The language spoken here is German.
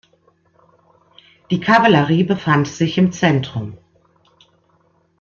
Die Kavallerie befand sich im Zentrum.